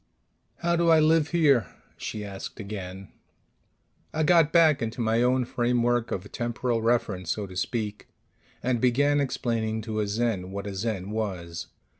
"How do I live here?" she asked again. I got back into my own framework of temporal reference, so to speak, and began explaining to a Zen what a Zen was.